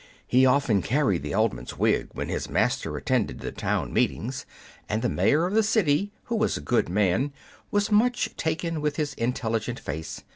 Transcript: He often carried the alderman's wig when his master attended the town meetings, and the mayor of the city, who was a good man, was much taken with his intelligent face.